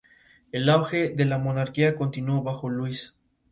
La ceremonia de la capitalización se realizó en el Centro Municipal de Cultura.